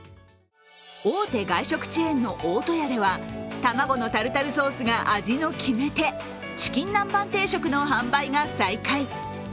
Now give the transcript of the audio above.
大手外食チェーンの大戸屋では卵のタルタルソースが味の決め手、チキン南蛮定食の販売が再開。